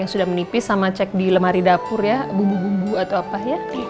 assalamualaikum warahmatullahi wabarakatuh